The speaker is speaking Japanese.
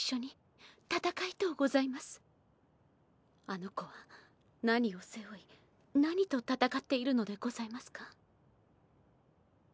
あの子は何をせ負い何とたたかっているのでございますか？